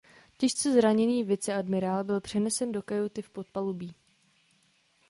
Těžce zraněný viceadmirál byl přenesen do kajuty v podpalubí.